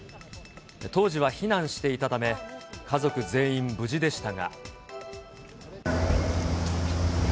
当時は避難していたため、家族全員無事でしたが。